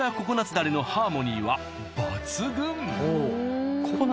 だれのハーモニーは抜群！